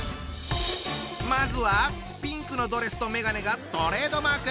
まずはピンクのドレスと眼鏡がトレードマーク！